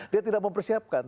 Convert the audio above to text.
dia tidak mempersiapkan